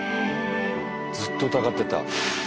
ずっと疑ってた。